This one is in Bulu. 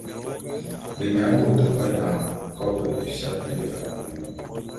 Benya bôto b’adane kòbo éfia te abui.